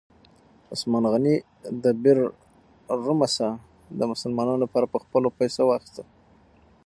عثمان غني د بئر رومه څاه د مسلمانانو لپاره په خپلو پیسو واخیسته.